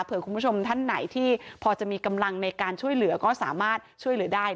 คุณผู้ชมท่านไหนที่พอจะมีกำลังในการช่วยเหลือก็สามารถช่วยเหลือได้